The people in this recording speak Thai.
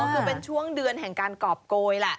ก็คือเป็นช่วงเดือนแห่งการกรอบโกยล่ะ